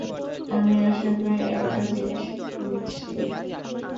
আমি আসলে একটা জিনিস খুঁজছি।